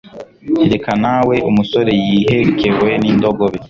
reka nawe umusore yihekewe n'indogobe